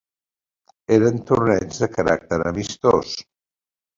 Eren torneigs de caràcter amistós.